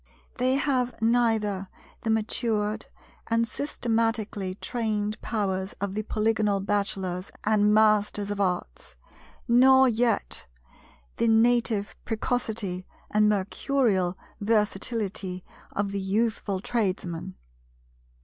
They have neither the matured and systematically trained powers of the Polygonal Bachelors and Masters of Arts, nor yet the native precocity and mercurial versatility of the youthful Tradesman.